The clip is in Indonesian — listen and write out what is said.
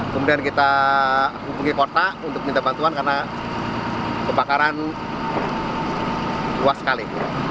kemudian kita hubungi kota untuk minta bantuan karena kebakaran luas sekali